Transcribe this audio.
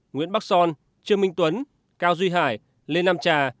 nguyễn bắc son trương minh tuấn cao duy hải lê nam trà